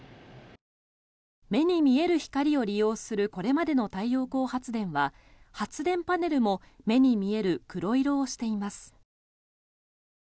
目に見える光を利用するこれまでの太陽光発電は発電パネルも目に見える黒色をしています。